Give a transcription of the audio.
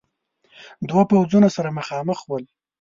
دو پوځونه سره مخامخ ول.